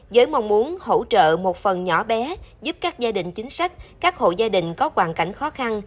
giới mong muốn hỗ trợ một phần nhỏ bé giúp các gia đình chính sách các hộ gia đình có hoàn cảnh khó khăn